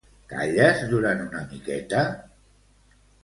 Calles durant una miqueta?